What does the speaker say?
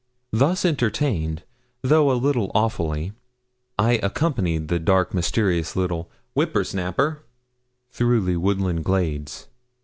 Thus entertained, though a little awfully, I accompanied the dark mysterious little 'whipper snapper' through the woodland glades.